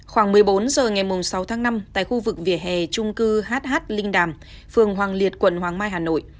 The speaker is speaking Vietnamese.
khoảng một mươi bốn h ngày sáu tháng năm tại khu vực vỉa hè trung cư hh linh đàm phường hoàng liệt quận hoàng mai hà nội